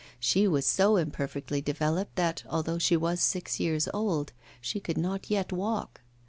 She was so imperfectly developed that, although she was six years old, she could not yet walk.